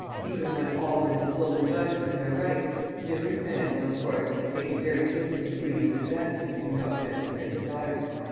Even when all are in the full enjoyment of their rights, different men will, of course, attain to very different degrees of advancement in the objects of their desire.